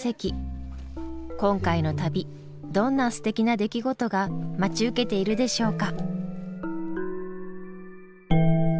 今回の旅どんなすてきな出来事が待ち受けているでしょうか。